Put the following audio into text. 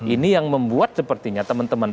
ini yang membuat sepertinya teman teman